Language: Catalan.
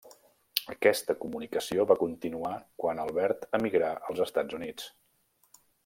Aquesta comunicació va continuar quan Albert emigrà als Estats Units.